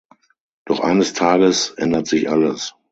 Doch eines Tages ändert sich alles.